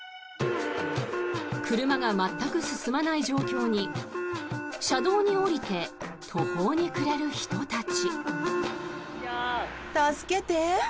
車が全く進まない状況に車道に降りて途方に暮れる人たち。